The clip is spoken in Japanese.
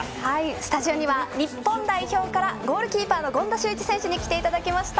スタジオには日本代表からゴールキーパーの権田修一選手に来ていただきました。